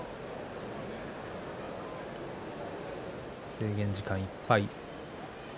制限時間いっぱい。